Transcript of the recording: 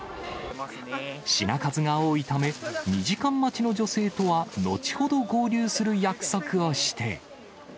品数が多いため、２時間待ちの女性とは後ほど合流する約束をして。